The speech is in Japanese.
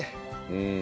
うん。